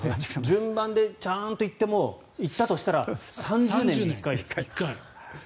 順番でちゃんと行っても行ったとしたら３０年に１回ですから。